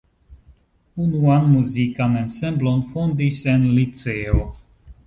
Unuan muzikan ensemblon fondis en liceo.